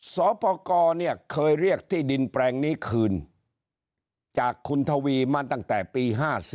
สปกรเคยเรียกที่ดินแปลงนี้คืนจากคุณทวีมาตั้งแต่ปี๕๔